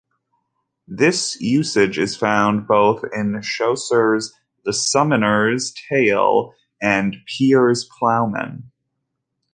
This usage is found both in Chaucer's "The Summoner's Tale" and "Piers Plowman".